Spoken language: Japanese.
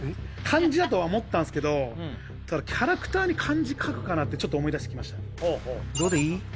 漢字だとは思ったんすけどうんただキャラクターに漢字書くかなってちょっと思いだしてきました「ド」でいい？